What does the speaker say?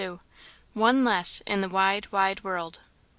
One less in the wide, wide world.